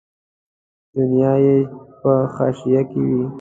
دنیا یې په حاشیه کې وي.